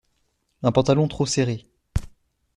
Un pantalon trop serré.